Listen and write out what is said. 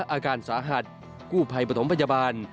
อาการสาหัสกู้ภัยปฐมพยาบาล